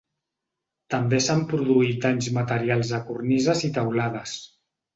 També s’han produït danys materials a cornises i teulades.